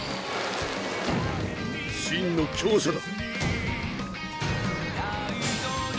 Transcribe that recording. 真の強者だ！